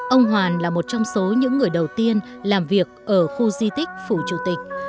ông hoàn là một trong số những người đầu tiên làm việc ở khu di tích phủ chủ tịch